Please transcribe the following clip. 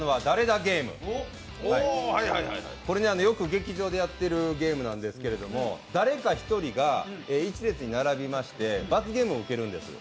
これ、よく劇場でやってるゲームなんですけれども誰か１人が１列に並びまして、罰ゲームを受けるんです。